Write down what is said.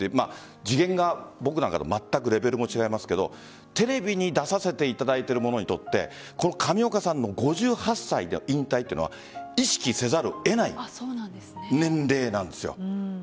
次元が僕らとレベルも違いますがテレビに出させていただいている者にとってこの上岡さんの５８歳での引退というのは意識せざるを得ない年齢なんです。